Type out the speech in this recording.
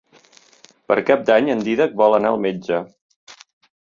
Per Cap d'Any en Dídac vol anar al metge.